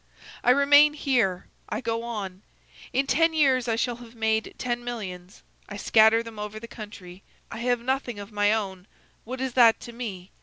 I remain here; I go on: in ten years I shall have made ten millions; I scatter them over the country; I have nothing of my own; what is that to me?